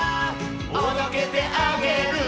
「おどけてあげるね」